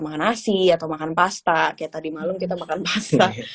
makan nasi atau makan pasta kayak tadi malam kita makan pasta